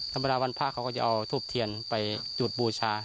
ธรรมดาวันพระเขาก็จะเอาทูบเทียนไปจุดบูชา